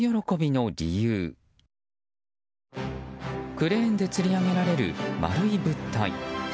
クレーンでつり上げられる丸い物体。